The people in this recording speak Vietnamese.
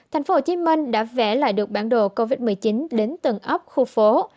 tp hcm đã vẽ lại được bản đồ covid một mươi chín đến tầng ấp khu phố